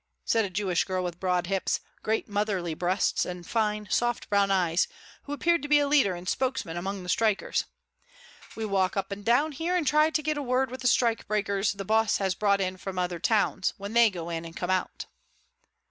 said a Jewish girl with broad hips, great motherly breasts, and fine, soft, brown eyes, who appeared to be a leader and spokesman among the strikers. "We walk up and down here and try to get a word with the strikebreakers the boss has brought in from other towns, when they go in and come out."